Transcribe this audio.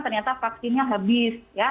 ternyata vaksinnya habis